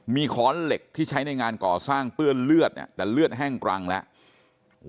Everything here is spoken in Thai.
มีขอนเหล็กที่ใช้ในงานก่อสร้างเปื้อนเลือดแต่เลือดแห้งกรังแล้ว